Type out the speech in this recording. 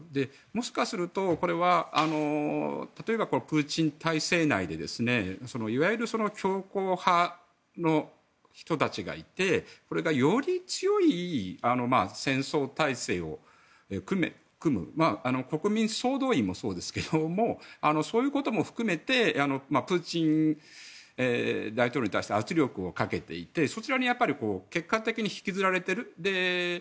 もしかすると、これは例えばプーチン体制内でいわゆる強硬派の人たちがいてこれがより強い戦争体制を組む国民総動員もそうですけどそういうことも含めてプーチン大統領に対して圧力をかけていて、そちらに結果的に引きずられている。